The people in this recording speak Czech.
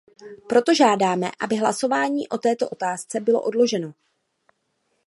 Proto žádáme, aby hlasování o této otázce bylo odloženo.